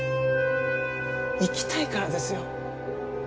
生きたいからですよ。